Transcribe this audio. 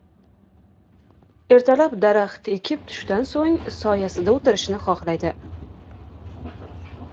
• Ertalab daraxt ekib, tushdan so‘ng soyasida o‘tirishni xohlaydi.